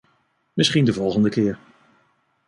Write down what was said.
Misschien de volgende keer.